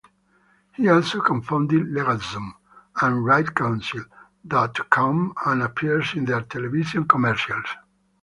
He also cofounded LegalZoom and RightCounsel dot com and appears in their television commercials.